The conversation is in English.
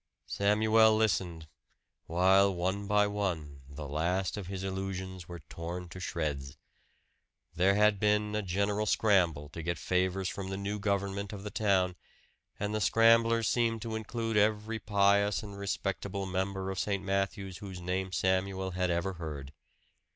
Samuel listened, while one by one the last of his illusions were torn to shreds. There had been a general scramble to get favors from the new government of the town; and the scramblers seemed to include every pious and respectable member of St. Matthew's whose name Samuel had ever heard.